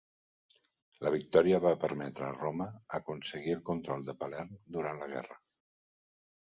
La victòria va permetre a Roma aconseguir el control de Palerm durant la guerra.